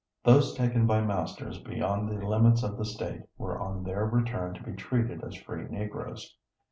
Those taken by masters beyond the limits of the State were on their return to be treated as free Negroes.